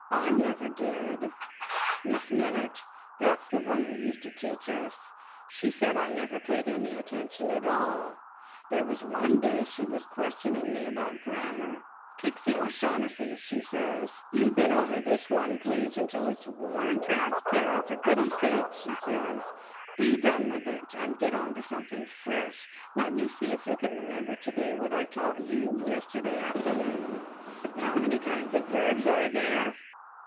"I never did. Miss Minnitt that's the one who used to teach us she said I never paid any attention at all. There was one day she was questioning me about grammar. `Pixie O'Shaughnessy,' she says, `you've been over this one page until it's worn transparent. For pity's sake,' she says, `be done with it, and get on to something fresh. Let me see if you can remember to day what I taught you yesterday afternoon. How many kinds of verbs are there?'